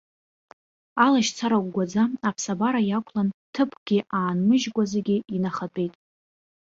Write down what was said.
Алашьцара гәгәаӡа аԥсабара иақәлан, ҭыԥкгьы аанмыжькәа зегьы инахатәеит.